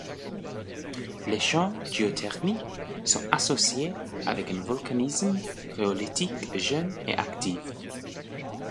Les champs géothermiques sont associés avec un volcanisme rhyolitique jeune et actif.